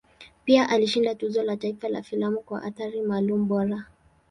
Pia alishinda Tuzo la Taifa la Filamu kwa Athari Maalum Bora.